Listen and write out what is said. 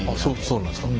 そうなんですか？